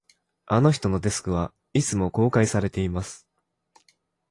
あの人のデスクは、いつも公開されています